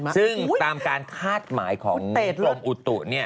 ซึ่งตามการคาดหมายของกรมอุตุ